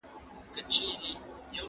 که سياسي آند وده وکړي ټولنه هم پرمختګ کوي.